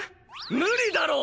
無理だろう。